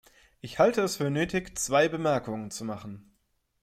Ich halte es für nötig, zwei Bemerkungen zu machen.